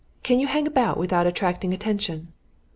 Can you hang about without attracting attention?"